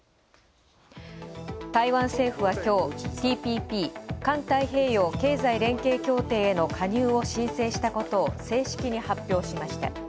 台湾政府は今日、ＴＰＰ＝環太平洋経済連携協定への加入を申請したことを正式に発表しました。